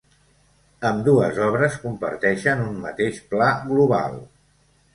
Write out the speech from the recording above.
Ambdues obres comparteixen un mateix pla global.